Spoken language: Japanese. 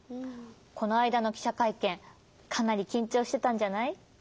このあいだのきしゃかいけんかなりきんちょうしてたんじゃない？